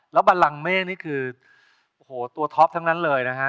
แล้วบันลังเมฆนี่คือโอ้โหตัวท็อปทั้งนั้นเลยนะฮะ